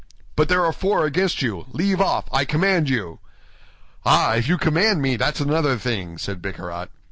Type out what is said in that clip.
"But there are four against you; leave off, I command you." "Ah, if you command me, that's another thing," said Bicarat.